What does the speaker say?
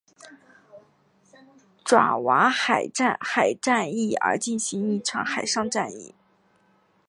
爪哇海战役而进行的一场海上战役。